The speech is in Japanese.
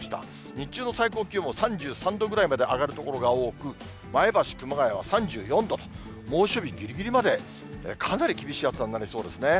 日中の最高気温も３３度ぐらいまで上がる所が多く、前橋、熊谷は３４度と、猛暑日ぎりぎりまでかなり厳しい暑さになりそうですね。